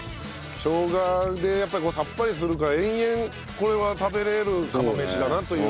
生姜でさっぱりするから延々これは食べられる釜飯だなという。